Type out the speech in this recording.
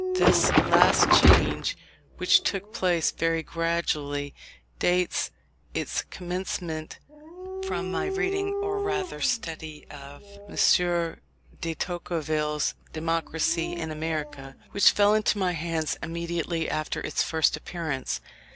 This last change, which took place very gradually, dates its commencement from my reading, or rather study, of M. de Tocqueville's Democracy in America, which fell into my hands immediately after its first appearance.